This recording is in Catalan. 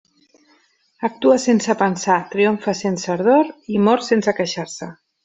Actua sense pensar, triomfa sense ardor, i mor sense queixar-se.